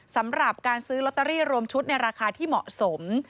สำหรับการซื้อลอตเตอรี่รวมชุดในราคาที่เหมาะสม